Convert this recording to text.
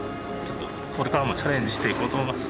これからもチャレンジしていこうと思います。